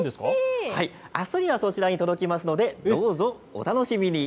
あすにはそちらに届きますのでどうぞお楽しみに。